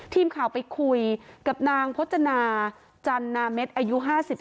ทีมข่าวไปคุยกับนางพจนาจันนาเม็ดอายุ๕๓